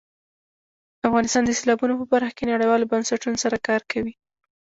افغانستان د سیلابونه په برخه کې نړیوالو بنسټونو سره کار کوي.